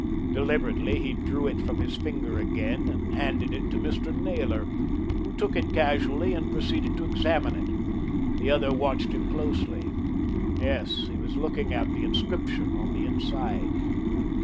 Deliberately he drew it from his finger again and handed it to Mr. Naylor, who took it casually and proceeded to examine it. The other watched him closely. Yes; he was looking at the inscription on the inside.